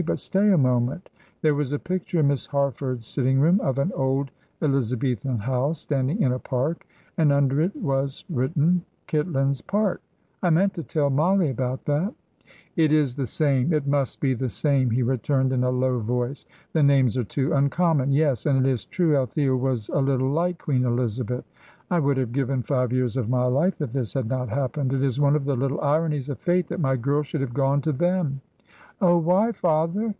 But stay a moment: there was a picture in Miss Harford's sitting room of an old Elizabethan house standing in a park, and under it was written Kitlands Park. I meant to tell Mollie about that." "It is the same it must be the same," he returned, in a low voice. "The names are too uncommon. Yes, and it is true, Althea was a little like Queen Elizabeth. I would have given five years of my life that this had not happened. It is one of the little ironies of fate that my girl should have gone to them." "Oh, why, father?"